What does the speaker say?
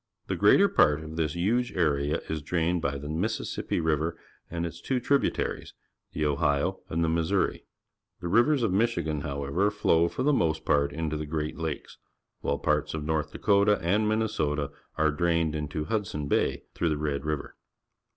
The greater part of this huge area is drained by the Mississippi River and its two tributaries, the Ohio and the Missouri. The rivers of JVIichigan, however, flow for the most part into the Great Lakes, while parts of North Dakota and ]\Iinnesota are drained into Hudson Bay through the Red River.